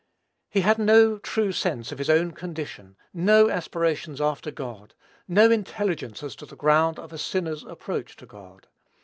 He had no true sense of his own condition; no aspirations after God; no intelligence as to the ground of a sinner's approach to God.